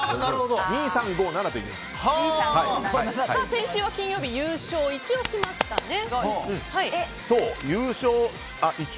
先週は金曜日が優勝、一応しましたね。